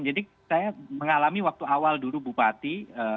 jadi saya mengalami waktu awal dulu bupati